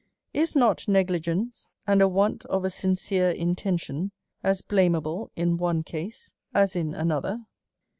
Is not negligence and a want of a sincere intention as blameable in one case as in another